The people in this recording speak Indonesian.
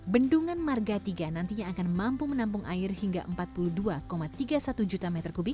bendungan marga tiga nantinya akan mampu menampung air hingga empat puluh dua tiga puluh satu juta meter kubik